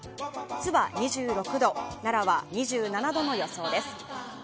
津は２６度奈良は２７度の予報です。